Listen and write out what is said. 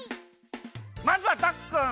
まずはダクくん。